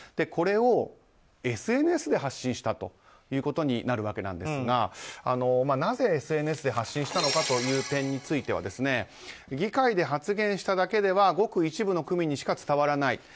これをＳＮＳで発信したということですがなぜＳＮＳで発信したのかという点については議会で発言しただけではごく一部の区民にしか伝わらない。